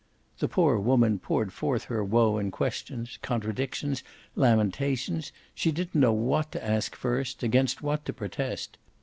The poor woman poured forth her woe in questions, contradictions, lamentations; she didn't know what to ask first, against what to protest.